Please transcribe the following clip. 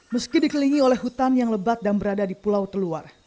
meski dikelilingi oleh hutan yang lebat dan berada di pulau terluar